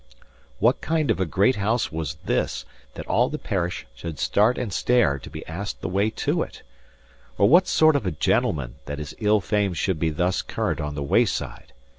What kind of a great house was this, that all the parish should start and stare to be asked the way to it? or what sort of a gentleman, that his ill fame should be thus current on the wayside?